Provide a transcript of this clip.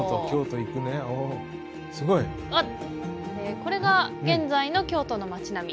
これが現在の京都の町並み。